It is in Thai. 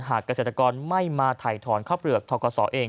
เกษตรกรไม่มาถ่ายถอนข้าวเปลือกทกศเอง